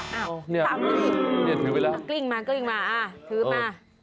นี่ถือไปแล้วกลิ้งมากลิ้งมาถือมา